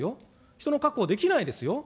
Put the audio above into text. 人の確保、できないですよ。